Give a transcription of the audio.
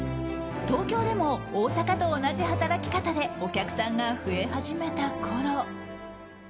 東京でも大阪と同じ働き方でお客さんが増え始めたころ